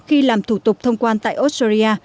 khi làm thủ tục thông quan tại australia